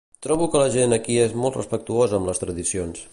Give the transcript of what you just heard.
Trobo que la gent aquí és molt respectuosa amb les tradicions.